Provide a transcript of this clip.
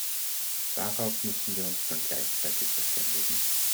Darauf müssen wir uns dann gleichzeitig verständigen.